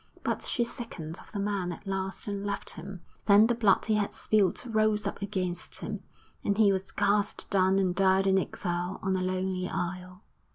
But she sickened of the man at last and left him; then the blood he had spilt rose up against him, and he was cast down and died an exile on a lonely isle.